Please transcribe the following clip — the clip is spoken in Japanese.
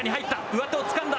上手をつかんだ。